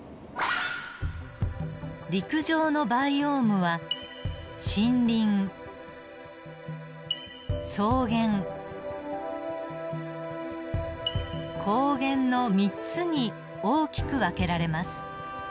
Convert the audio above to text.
陸上のバイオームは森林草原荒原の３つに大きく分けられます。